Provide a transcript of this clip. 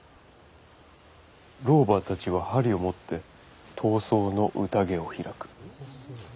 老婆たちは針を持って痘瘡の宴を開く？